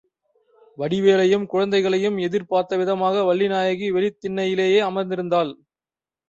வடிவேலையும் குழந்தைகளையும் எதிர் பார்த்த விதமாக வள்ளிநாயகி வெளித் திண்ணையிலே அமர்ந்திருந்தாள்.